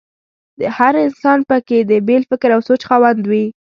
هر انسان په کې د بېل فکر او سوچ خاوند وي.